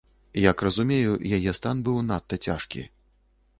Як разумею, яе стан быў надта цяжкі.